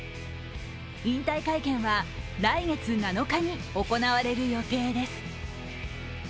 引退会見は来月７日に行われる予定です。